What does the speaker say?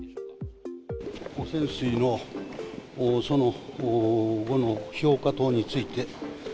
汚染水の、その後の評価等について。